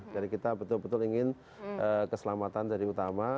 jadi kita betul betul ingin keselamatan jadi utama